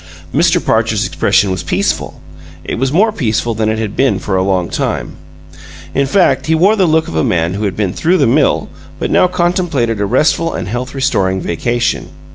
Mr. Parcher's expression was peaceful. It was more peaceful than it had been for a long time. In fact, he wore the look of a man who had been through the mill but now contemplated a restful and health restoring vacation.